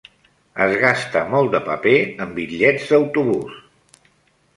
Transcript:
Es gasta molt de paper en bitllets d'autobús.